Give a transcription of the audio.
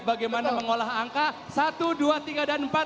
bagaimana mengolah angka satu dua tiga dan empat